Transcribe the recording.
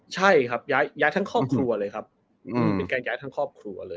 ใช่ครับอย่ายทั้งคอบครัวเลยครับ